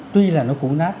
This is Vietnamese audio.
tuy là nó củ nát